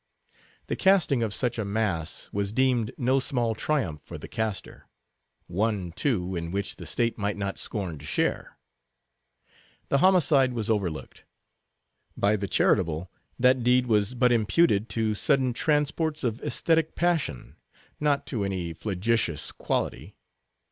The casting of such a mass was deemed no small triumph for the caster; one, too, in which the state might not scorn to share. The homicide was overlooked. By the charitable that deed was but imputed to sudden transports of esthetic passion, not to any flagitious quality.